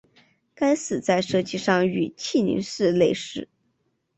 该寺在设计上与庆宁寺类似。